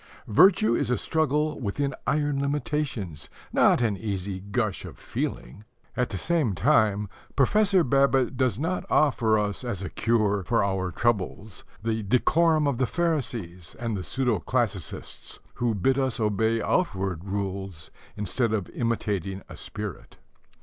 Virtue is a struggle within iron limitations, not an easy gush of feeling. At the same time, Professor Babbitt does not offer us as a cure for our troubles the decorum of the Pharisees and the pseudo classicists, who bid us obey outward rules instead of imitating a spirit.